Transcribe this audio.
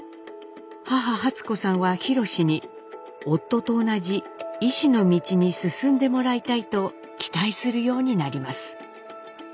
母初子さんはひろしに夫と同じ医師の道に進んでもらいたいと期待するようになります。